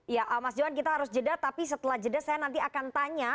ya mas johan kita harus jeda tapi setelah jeda saya nanti akan tanya